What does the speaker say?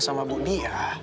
sama bu dia